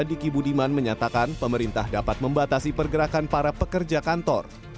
diki budiman menyatakan pemerintah dapat membatasi pergerakan para pekerja kantor